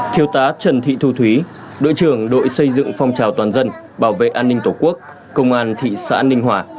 thiếu tá trần thị thu thúy đội trưởng đội xây dựng phong trào toàn dân bảo vệ an ninh tổ quốc công an thị xã ninh hòa